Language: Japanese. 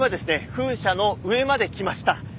風車の上まで来ました。